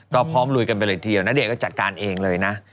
ก็พร้อมลุยกันไปเลยทีเดียวณเดชนก็จัดการเองเลยนะ